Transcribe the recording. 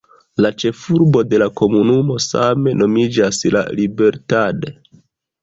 La ĉefurbo de la komunumo same nomiĝas La Libertad.